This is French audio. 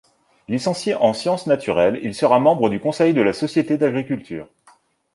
Licencié en sciences naturelles, il sera membre du Conseil de la Société d'Agriculture.